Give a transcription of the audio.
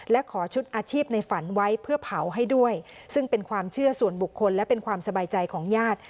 และขอชุดอาชีพในฝันไว้เพื่อเผาให้ด้วยซึ่งเป็นความเชื่อส่วนบุคคลและเป็นความสบายใจของญาติ